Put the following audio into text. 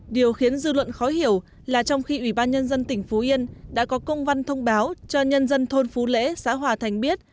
điều khiến dư luận khó hiểu là trong khi ủy ban nhân dân tỉnh phú yên đã có công văn thông báo cho nhân dân thôn phú lễ xã hòa thành biết